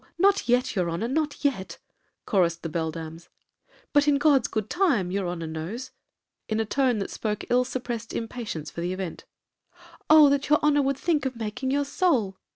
'Oh! not yet, your honor, not yet,' chorussed the beldams; 'but in God's good time, your honor knows,' in a tone that spoke ill suppressed impatience for the event. 'Oh! that your honor would think of making your soul.'